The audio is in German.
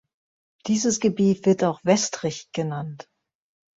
Dieses Gebiet wird auch Westrich genannt.